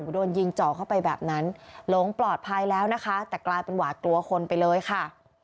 โดนยิงเจาะเข้าไปแบบนั้นหลงปลอดภัยแล้วนะคะแต่กลายเป็นหวาดกลัวคนไปเลยค่ะ